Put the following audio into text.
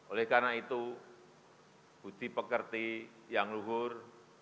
oleh karena itu budi pekerti yang luhur